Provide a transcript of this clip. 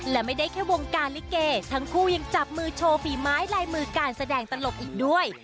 และไม่ได้แค่วงการลิเกทั้งคู่ยังจับมือโชว์ฝีไม้ลายมือการแสดงตลกอีกด้วย